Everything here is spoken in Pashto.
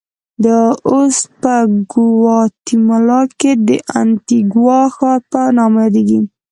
دا اوس په ګواتیمالا کې د انتیګوا ښار په نامه یادېږي.